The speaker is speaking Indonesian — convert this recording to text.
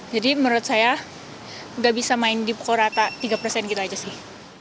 jadi menurut saya nggak bisa main di pokok rata tiga gitu aja sih